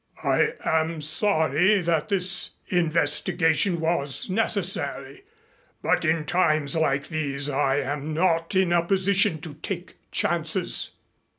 I am sorry that this investigation was necessary, but in times like these I am not in a position to take chances."